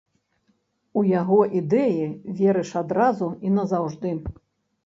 У яго ідэі верыш адразу і назаўжды.